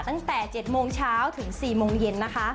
ตั้งแต่๗โมงเช้าถึง๔โมงเย็นนะคะ